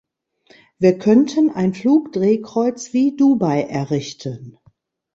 Wir könnten ein Flugdrehkreuz wie Dubai errichten.